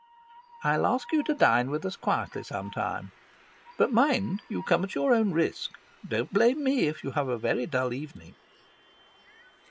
"I'll ask you to dine with us quietly some time, but mind, you come at your own risk; don't blame me if you have a very dull evening."